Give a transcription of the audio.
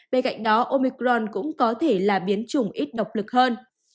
bên cạnh đó omicron cũng có thể là biến chủng ít độc lực hơn